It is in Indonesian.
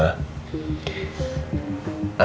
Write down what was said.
ini loh ma